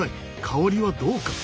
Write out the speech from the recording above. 香りはどうか？